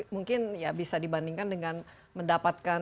mungkin ya bisa dibandingkan dengan mendapatkan